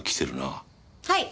はい。